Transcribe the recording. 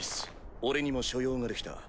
俺にも所用ができた。